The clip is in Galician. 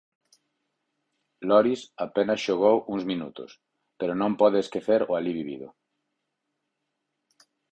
Loris apenas xogou uns minutos, pero non pode esquecer o alí vivido.